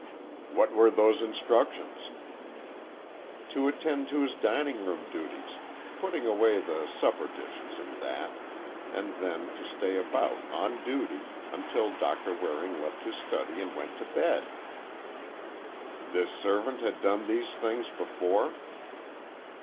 "What were those instructions?" "To attend to his dining room duties, putting away the supper dishes and that, and then to stay about, on duty, until Doctor Waring left his study and went to bed." "This servant had done these things before?"